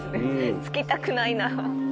付きたくないな。